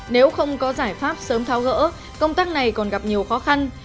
nếu không có giải pháp sớm tháo gỡ công tác này còn gặp nhiều khó khăn